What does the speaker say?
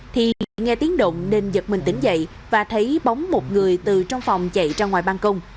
thì nghe tiếng động nên giật mình tỉnh dậy và thấy bóng một người từ trong phòng chạy ra ngoài ban công